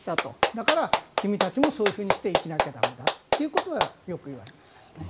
だから君たちもそういうふうにして生きないと駄目だとよく言われました。